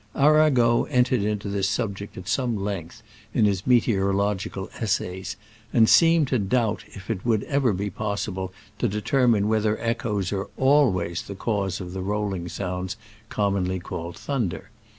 Arago entered into this sub ject at some length in his Meteorological Essays, and seemed to doubt if it would ever be possible to determine whether echoes are always the cause of the roll ing sounds commonly called thunder.